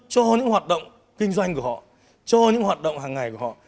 cho những hoạt động kinh doanh của họ cho những hoạt động hàng ngày của họ